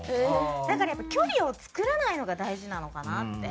だからやっぱり距離を作らないのが大事なのかなって。